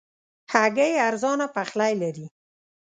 هګۍ ارزانه پخلی لري.